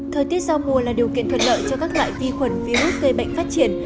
thời tiết giao mùa là điều kiện thuận lợi cho các loại vi khuẩn virus gây bệnh phát triển